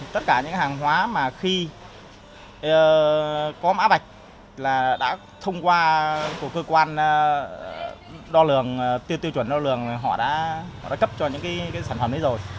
tất cả những hàng hóa mà khi có mã bạch là đã thông qua của cơ quan đo lường tiêu chuẩn đo lường họ đã cấp cho những sản phẩm đấy rồi